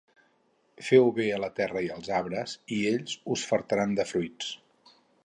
Feu bé a la terra i als arbres i ells us fartaran de fruits.